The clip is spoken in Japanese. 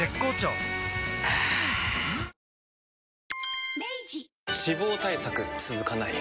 あぁ脂肪対策続かない